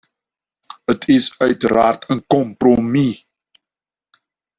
Het is uiteraard een compromis.